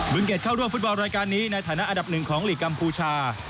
เกรดเข้าร่วมฟุตบอลรายการนี้ในฐานะอันดับหนึ่งของหลีกกัมพูชา